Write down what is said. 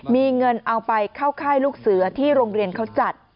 มีเงินเอาไปเข้าค่ายลูกเสือที่โรงเรียนเขาจัด